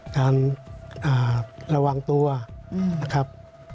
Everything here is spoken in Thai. การระวังตัวนะครับ